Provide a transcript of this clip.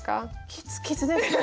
きつきつでした。